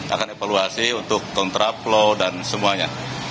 akan evaluasi untuk kontraplow dan semuanya